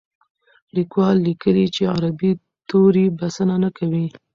لیکوال لیکلي چې عربي توري بسنه نه کوي.